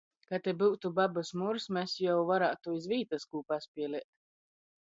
Ka te byutu babys Murs, mes jau varātu iz vītys kū paspielēt.